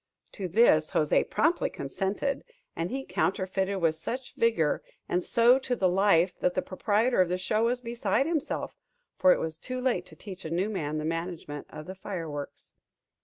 To this José promptly consented; and he counterfeited with such vigor, and so to the life, that the proprietor of the show was beside himself; for it was too late to teach a new man the management of the fireworks.